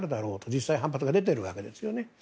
実際反発が出ているわけですね。